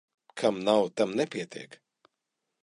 Kam nav, tam nepietiek.